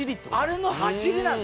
あれの走りなの。